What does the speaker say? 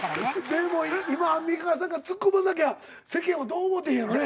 でも今アンミカさんがツッコまなきゃ世間はどう思うてんやろね？